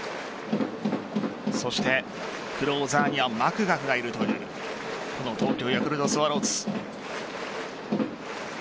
そしてクローザーにはマクガフがいるというこの東京ヤクルトスワローズ。